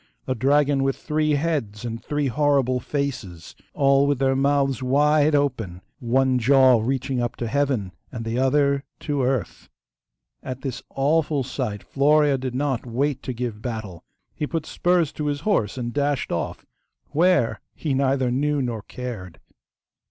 a dragon with three heads and three horrible faces, all with their mouths wide open, one jaw reaching to heaven and the other to earth. At this awful sight Florea did not wait to give battle. He put spurs to his horse and dashed off, WHERE he neither knew nor cared.